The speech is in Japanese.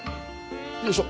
よいしょ。